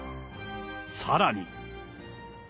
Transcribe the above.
さらに。